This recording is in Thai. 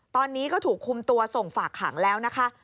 ตอนนี้ก็ถูกคุมตัวส่งฝากขังแล้วนะคะ